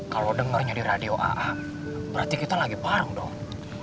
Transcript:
kalau dengarnya di radio aa berarti kita lagi bareng dong